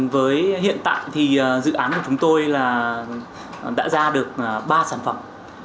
với hiện tại thì dự án của chúng tôi là đã ra được ba sản phẩm